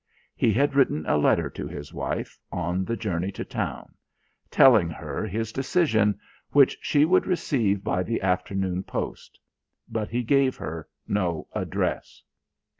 He had written a letter to his wife, on the journey to town, telling her his decision, which she would receive by the afternoon post. But he gave her no address.